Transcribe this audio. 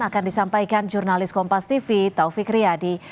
akan disampaikan jurnalis kompas tv taufik riyadi